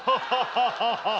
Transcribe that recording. ハハハハ！